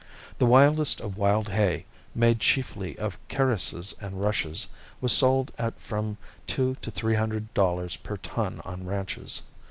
The wildest of wild hay, made chiefly of carices and rushes, was sold at from two to three hundred dollars per ton on ranches.